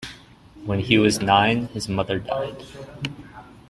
When he was nine, his mother died.